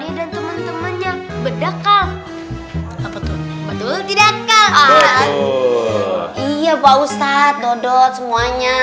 iya pak ustadz dodot semuanya